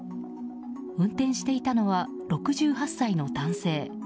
運転していたのは６８歳の男性。